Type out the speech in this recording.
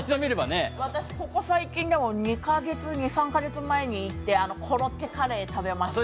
私、ここ最近、２３か月前に行ってコロッケカレー食べました。